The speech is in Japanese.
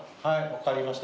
分かりました。